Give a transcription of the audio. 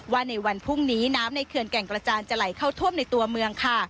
ในวันพรุ่งนี้น้ำในเขื่อนแก่งกระจานจะไหลเข้าท่วมในตัวเมืองค่ะ